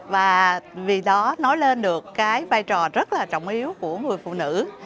và vì đó nói lên được cái vai trò rất là trọng yếu của người phụ nữ